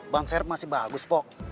ban serep masih bagus pok